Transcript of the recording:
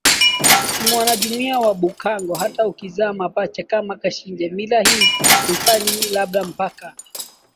si mwanajumuiya wa Bhukango hata ukizaa mapacha ama kashinje mila hii hufanyiLabda mpaka